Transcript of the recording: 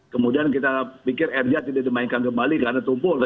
kemudian kita pikir rz tidak dimainkan kembali karena tumpul